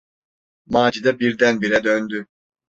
Macide birdenbire döndü: